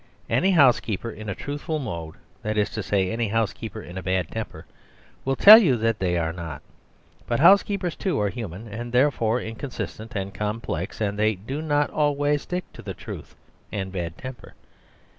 Any housekeeper in a truthful mood, that is to say, any housekeeper in a bad temper, will tell you that they are not. But housekeepers, too, are human, and therefore inconsistent and complex; and they do not always stick to truth and bad temper.